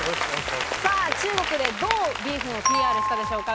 中国で、どうビーフンをＰＲしたでしょうか？